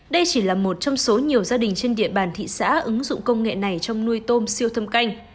đây chỉ là một trong số nhiều gia đình trên địa bàn thị xã ứng dụng công nghệ này trong nuôi tôm siêu thâm canh